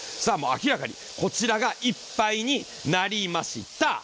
さあもう明らかにこちらがいっぱいになりました。